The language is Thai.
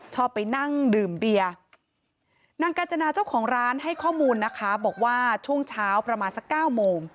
คุณกาจนาเจ้าของร้านก็เลยบอกว่าโอ้โห